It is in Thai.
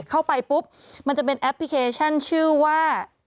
เข้าไปปุ๊บมันจะเป็นแอปพลิเคชันชื่อว่า